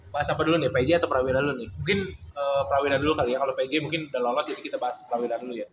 bahas apa dulu nih pj atau prawira dulu nih mungkin prawira dulu kali ya kalau pg mungkin udah lolos jadi kita bahas prawidan dulu ya